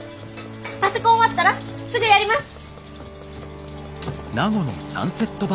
パセコン終わったらすぐやります！